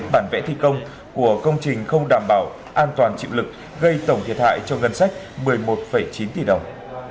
bản vẽ thi công của công trình không đảm bảo an toàn chịu lực gây tổng thiệt hại cho ngân sách một mươi một chín tỷ đồng